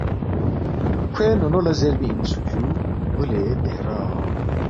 کھوے نونو لہ زیربی اِنسُوک جُو، گُلِ بہرام